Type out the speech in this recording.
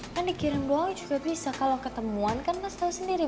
kan dikirim doang juga bisa kalau ketemuan kan pasti tahu sendiri